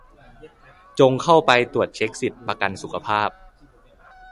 จงเข้าไปตรวจเช็คสิทธิ์ ประกันสุขภาพ